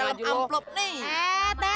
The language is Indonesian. eh bang ipan guruan apa